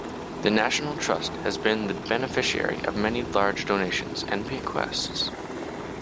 The National Trust has been the beneficiary of many large donations and bequests.